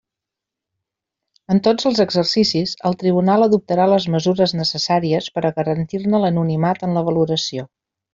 En tots els exercicis, el tribunal adoptarà les mesures necessàries per a garantir-ne l'anonimat en la valoració.